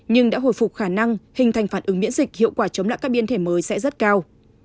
nhưng đã hồi phục khả năng hình thành phản ứng miễn dịch hiệu quả chống lại các biến thể mới sẽ rất cao